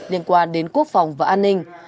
liên quan đến quốc phòng và an ninh